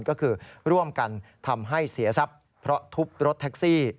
ก็คือร่วมกันทำให้เสียทรัพย์เพราะทุบรถแท็กซี่